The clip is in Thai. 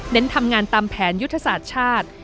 ทำงานตามแผนยุทธศาสตร์ชาติ